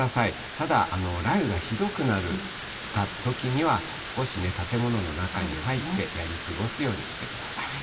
ただ、雷雨がひどくなるときには少しね、建物の中に入って、やり過ごすようにしてください。